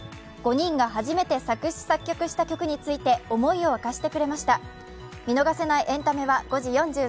５人が初めて作詞作曲した曲について思いを明かしてくれました。